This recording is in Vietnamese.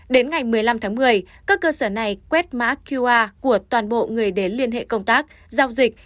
đến ngày một mươi năm tháng một mươi các cơ sở này quét mã qr của toàn bộ người đến liên hệ công tác giao dịch